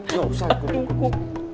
tunggu atu kum